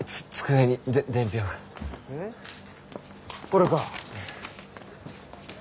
これか。